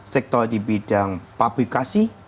sektor di bidang pabrikasi